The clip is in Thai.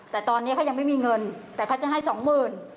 แต่ตอนนี้เขายังไม่มีเงินแต่เขาจะให้สองหมื่น